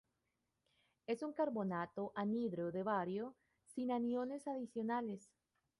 Es un carbonato anhidro de bario, sin aniones adicionales.